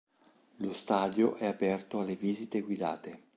Lo stadio è aperto alle visite guidate.